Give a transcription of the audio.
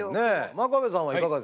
真壁さんはいかがですか？